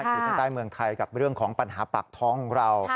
ขีดเส้นใต้เมืองไทยกับเรื่องของปัญหาปากท้องของเรา